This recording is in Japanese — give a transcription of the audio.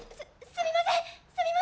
すみません！